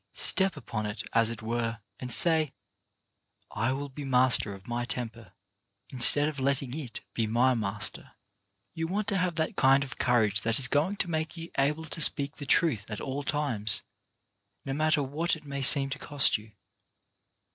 Step upon it, as it were, and say: "I will be master of my temper, instead of letting it be my master. " SOME LESSONS OF THE HOUR 145 You want to have that kind of courage that is going to make you able to speak the truth at all times, no matter what it may seem to cost you.